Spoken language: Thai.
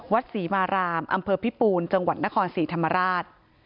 ศรีมารามอำเภอพิปูนจังหวัดนครศรีธรรมราช